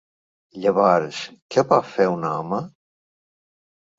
Llavors, què pot fer un home?